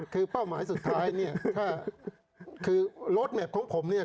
คือเป้าหมายสุดท้ายเนี่ยถ้าคือรถแมพของผมเนี่ย